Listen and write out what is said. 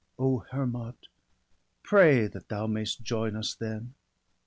Hermod, pray that thou may'st join us then!